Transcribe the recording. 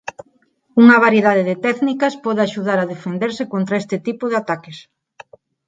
Unha variedade de técnicas pode axudar a defenderse contra este tipo de ataques.